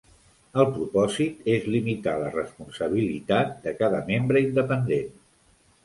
El propòsit és limitar la responsabilitat de cada membre independent.